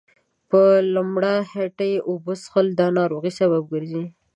په لمړه هيټه اوبه څښل دا ناروغۍ سبب ګرځي